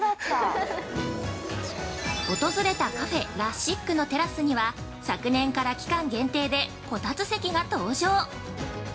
◆訪れた、カフェ・ラシックのテラスには、昨年から期間限定でこたつ席が登場！